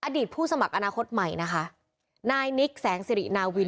ผู้สมัครอนาคตใหม่นะคะนายนิกแสงสิรินาวิน